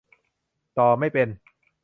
ต่อไม่เป็น